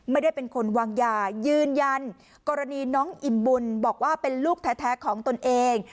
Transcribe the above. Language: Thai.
ไม่ได้เป็นคนวางยายืนยันกรณีน้องอิ่มบุญบอกว่าเป็นลูกแท้ของตนเอง